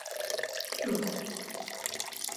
Şük'o!